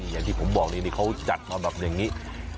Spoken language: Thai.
อย่างที่ผมบอกนี่เขาจัดมาแบบอย่างนี้